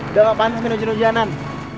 udah gak pantas minum jerujanan